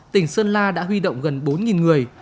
tỉnh sơn la đã huy động gần bốn người